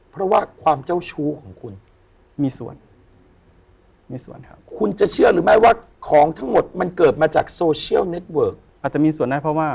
เพราะว่าความเจ้าชู้ของคุณ